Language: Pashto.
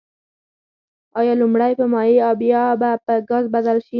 آیا لومړی په مایع او بیا به په ګاز بدل شي؟